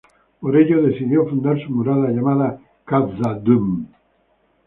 Por ello decidió fundar su Morada, llamada Khazad-dûm.